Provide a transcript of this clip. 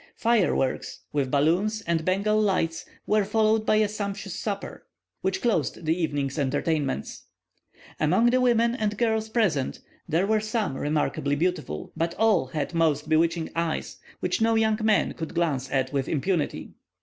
Fire works, with balloons and Bengal lights, were followed by a sumptuous supper, which closed the evening's entertainments. Among the women and girls present, there were some remarkably beautiful, but all had most bewitching eyes, which no young man could glance at with impunity.